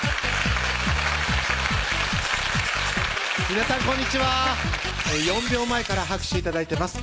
皆さんこんにちは４秒前から拍手頂いてます